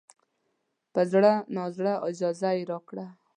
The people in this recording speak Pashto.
په زړه نازړه اجازه یې راکړه.